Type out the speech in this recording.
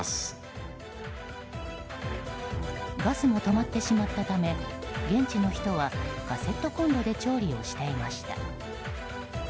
ガスも止まってしまったため現地の人はカセットコンロで調理をしていました。